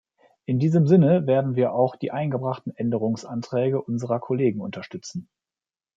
In diesem Sinne werden wir auch die eingebrachten Änderungsanträge unserer Kollegen unterstützen.